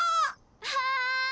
はい！